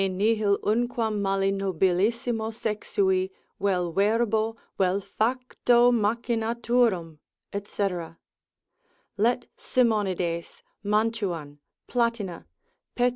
Me nihil unquam mali nobilissimo sexui, vel verbo, vel facto machinaturum, &c., let Simonides, Mantuan, Platina, Pet.